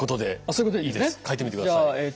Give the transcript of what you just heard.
書いてみてください。